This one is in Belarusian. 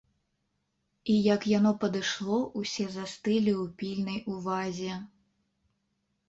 І, як яно падышло, усе застылі ў пільнай увазе.